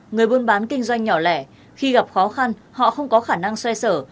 người buôn bán kinh doanh nhỏ lẻ khi gặp khó khăn họ không có khả năng xoay sở